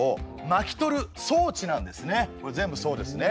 これ全部そうですね。